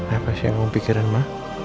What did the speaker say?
apa sih yang kamu pikirkan ma